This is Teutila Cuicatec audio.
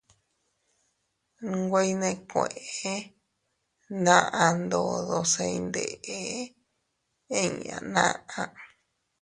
Nwe iynèkueʼe naʼa ndodo se iyndeʼe inña naʼa.